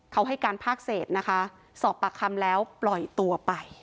เขาให้การภาคเศษนะคะสอบปากคำแล้วปล่อยตัวไป